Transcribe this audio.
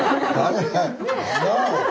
なあ。